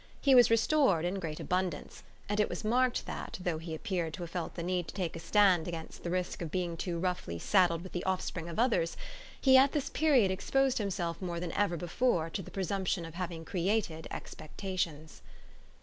He was restored in great abundance, and it was marked that, though he appeared to have felt the need to take a stand against the risk of being too roughly saddled with the offspring of others, he at this period exposed himself more than ever before to the presumption of having created expectations.